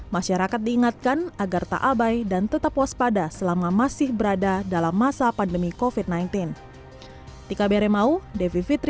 masyarakat diingatkan agar tak abai dan tetap waspada selama masih berada dalam masa pandemi covid sembilan belas